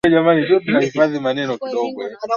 boti ya kuokolea iliyokunjwa ilikuwa ikielea chini